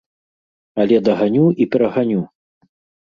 Але даганю і пераганю!